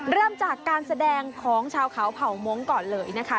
เริ่มจากการแสดงของชาวเขาเผ่ามงค์ก่อนเลยนะคะ